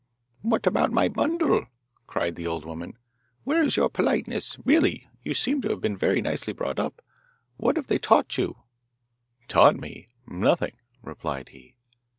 'What about my bundle?' cried the old woman. 'Where is your politeness? Really, you seem to have been very nicely brought up! What have they taught you?' 'Taught me? Nothing,' replied he.